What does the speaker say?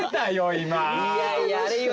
今。